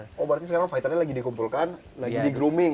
oh berarti sekarang fighternya lagi dikumpulkan lagi di grooming